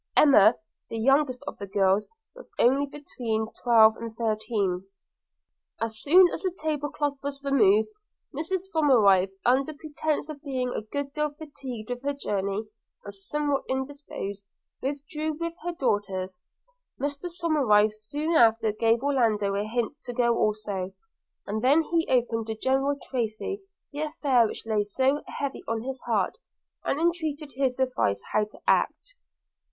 Emma, the youngest of the girls, was only between twelve and thirteen. As soon as the table cloth was removed, Mrs Somerive, under pretence of being a good deal fatigued with her journey, and somewhat indisposed, withdrew with her daughters: Mr Somerive soon after gave Orlando a hint to go also; and then he opened to General Tracy the affair which lay so heavy on his heart, and entreated his advice how to act.